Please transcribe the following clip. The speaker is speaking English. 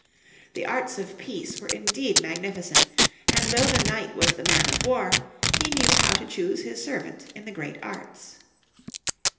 The arts of peace were indeed magnificent, and though the knight was the man of war, he knew how to choose his servant in the great arts.